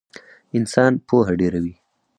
انسان پوهه ډېروي